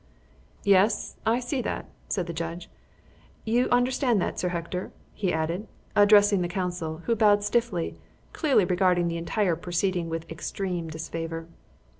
"Yes, I see that," said the judge. "You understand that, Sir Hector," he added, addressing the counsel, who bowed stiffly, clearly regarding the entire proceeding with extreme disfavour.